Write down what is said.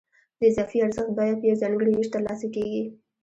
د اضافي ارزښت بیه په یو ځانګړي وېش ترلاسه کېږي